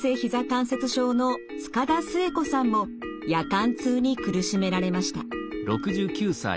関節症の塚田末子さんも夜間痛に苦しめられました。